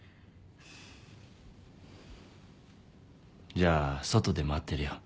じゃあ外で待ってるよ。